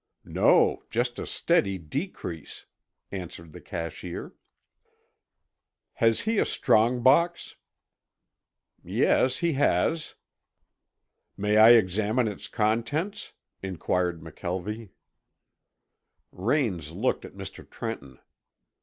"No, just a steady decrease," answered the cashier. "Has he a strong box?" "Yes, he has." "May I examine its contents?" inquired McKelvie. Raines looked at Mr. Trenton.